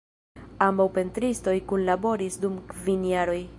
Ambaŭ pentristoj kunlaboris dum kvin jaroj.